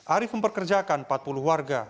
arief memperkerjakan empat puluh warga